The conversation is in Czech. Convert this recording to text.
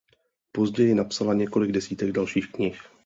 Později napsala několik desítek dalších knih.